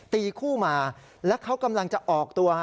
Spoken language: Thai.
ตีคู่มาแล้วเขากำลังจะออกตัว